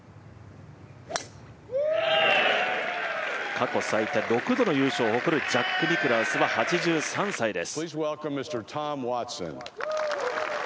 過去最多６度の優勝を誇るジャック・ニクラウスは、８３歳です。